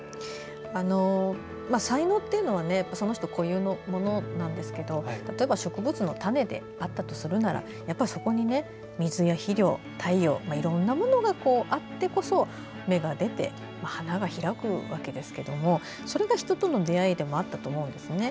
才能っていうのはその人固有のものなんですけど例えば植物の種であったりするならばそこに水や肥料、太陽いろんなものがあってこそ芽が出て、花が開くわけですけどそれが人との出会いでもあったと思うんですね。